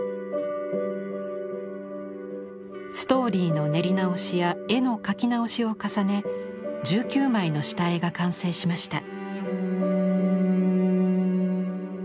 ストーリーの練り直しや絵の描き直しを重ね１９枚の下絵が完成しました。